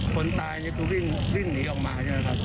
คนตายนี่คือวิ่งหนีออกมาใช่ไหมครับ